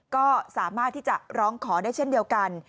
ก็สามารถที่จะร้องขอได้เช่นเดียวกัน